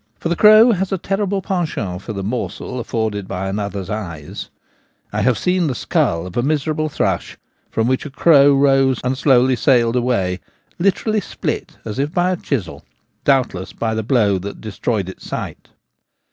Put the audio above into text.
For the crow has a terrible penchant for the morsel afforded by another's eyes: I have seen the skull of a miserable thrush, from which a crow rose and slowly sailed away, literally split as if by a chisel — doubtless by the blow that destroyed its sight.